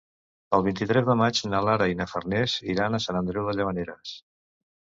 El vint-i-tres de maig na Lara i na Farners iran a Sant Andreu de Llavaneres.